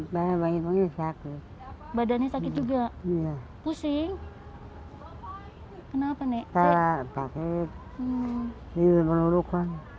badannya sakit juga pusing kenapa nih